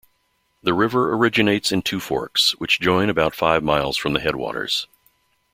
The river originates in two forks, which join about five miles from the headwaters.